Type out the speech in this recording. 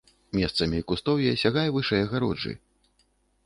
Месцамі кустоўе сягае вышэй агароджы.